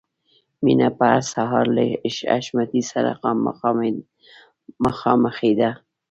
مینه به هر سهار له حشمتي سره مخامخېده